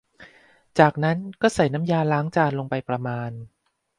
จากนั้นก็ใส่น้ำยาล้างจานลงไปประมาณ